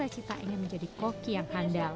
kami juga cita cita ingin menjadi koki yang handal